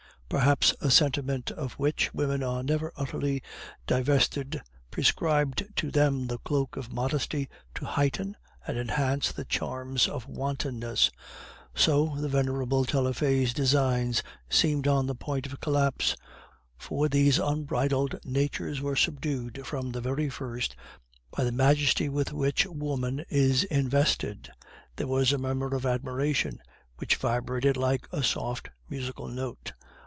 Perhaps a sentiment of which women are never utterly divested prescribed to them the cloak of modesty to heighten and enhance the charms of wantonness. So the venerable Taillefer's designs seemed on the point of collapse, for these unbridled natures were subdued from the very first by the majesty with which woman is invested. There was a murmur of admiration, which vibrated like a soft musical note.